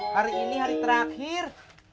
hari ini hari terakhir